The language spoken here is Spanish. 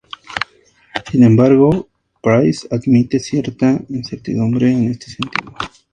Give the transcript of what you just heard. Sin embargo, Price admite cierta incertidumbre en este sentido.